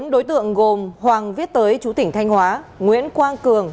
bốn đối tượng gồm hoàng viết tới chú tỉnh thanh hóa nguyễn quang cường